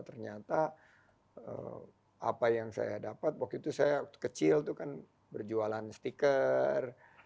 ternyata apa yang saya dapat waktu itu saya kecil itu kan berjualan stiker